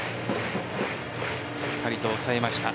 しっかりと抑えました。